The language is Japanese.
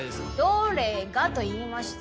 「どれが」と言いました。